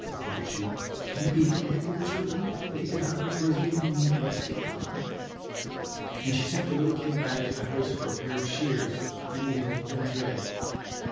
thought she, "can it be that my poor children that he devoured for his evening meal are still alive?" And she sent the little kid back to the house for a pair of shears, and needle, and thread.